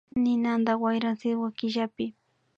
Ninanta wayran sitwa killapi